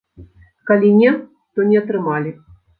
Калі не, то не атрымалі.